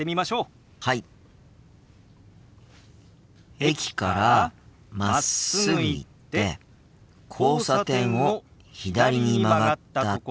駅からまっすぐ行って交差点を左に曲がったところだよ。